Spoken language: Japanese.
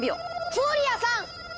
フォリアさん！